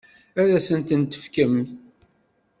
Ad asent-tent-tefkem?